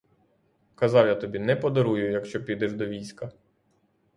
Казав я тобі — не подарую, якщо підеш до війська.